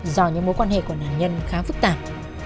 do những mối quan hệ của nạn nhân khá phức tạp